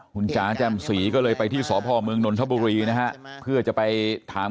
หุ่นจาแจ้มศรีก็เลยไปที่สพมนทบรีนะฮะเพื่อจะไปถาม